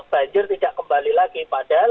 banjir tidak kembali lagi padahal